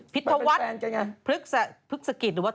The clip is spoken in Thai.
พิทวัชผึกศกิตหรือว่า